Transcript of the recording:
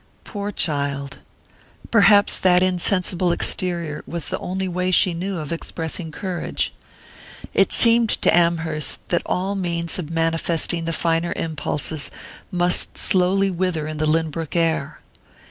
Poor child! Perhaps that insensible exterior was the only way she knew of expressing courage! It seemed to Amherst that all means of manifesting the finer impulses must slowly wither in the Lynbrook air.